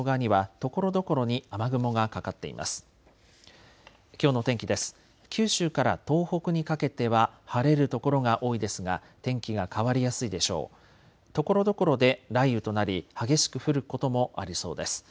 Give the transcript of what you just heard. ところどころで雷雨となり激しく降ることもありそうです。